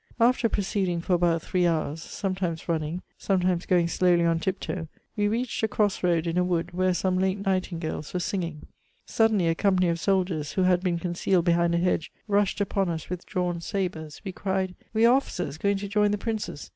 After proceeding for about three hours, sometimes running, sometimes going slowly on tiptoe, we reached a cross road in a wood where some late nightingales were singing; suddenly a company of soldiers, who had been concealed behind a hedge, rushed upon us with drawn sabres; we cried, ^'we are officers going to join the princes!"